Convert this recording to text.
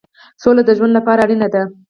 سوله د ژوند لپاره اړینه ده.